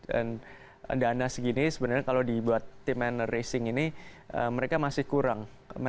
dan dana segini sebenarnya kalau dibuat tim mener racing ini mereka masih kurang